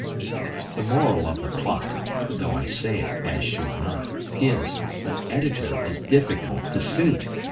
The Moral of the plot (Though I say it, as should not!) Is: An editor is difficult to suit.